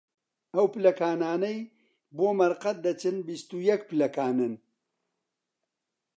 ئەو پلەکانانەی بۆ مەرقەد دەچن، بیست و یەک پلەکانن